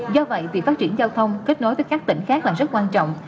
do vậy việc phát triển giao thông kết nối với các tỉnh khác là rất quan trọng